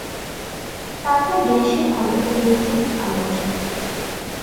তারপর গ্যাসের আলো ও বৈদ্যুতিক আলো আসে।